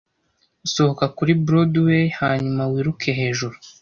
Sohoka kuri Broadway hanyuma wiruke hejuru,